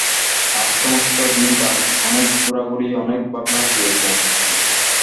আজ সমস্ত দিন তাঁর অনেক ঘুরাঘুরি অনেক ভাবনা গিয়েছে।